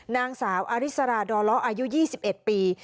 นางสาวอาริสราดรอ๒๑ปี